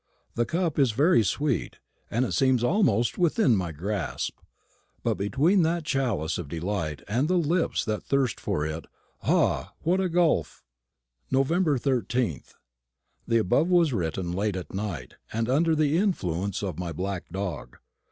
The cup is very sweet, and it seems almost within my grasp; but between that chalice of delight and the lips that thirst for it, ah, what a gulf! Nov. 13th. The above was written late at night, and under the influence of my black dog.